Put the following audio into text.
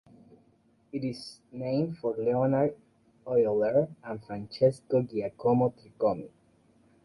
It is named for Leonhard Euler and Francesco Giacomo Tricomi.